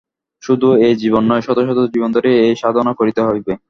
শুধু এই জীবন নয়, শত শত জীবন ধরিয়া এই সাধনা করিতে হইবে।